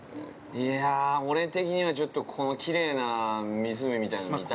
◆いや、俺的には、ちょっとこのきれいな湖みたいなの見たいな。